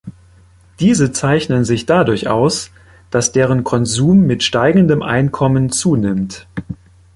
Diese zeichnen sich dadurch aus, dass deren Konsum mit steigendem Einkommen zunimmt.